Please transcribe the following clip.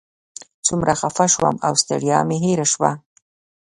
څومره خفه شوم او ستړیا مې هېره شوه.